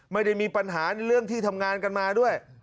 ไม่ได้มีปัญหาในเรื่องที่ทำงานกันมาด้วย